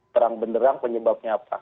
terang benderang penyebabnya apa